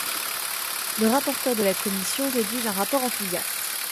Le rapporteur de la Commission rédige un rapport enthousiaste.